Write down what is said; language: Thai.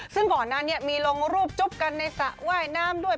ซึ่งก่อนหน้านี้มีลงรูปจุ๊บกันในสระว่ายน้ำด้วย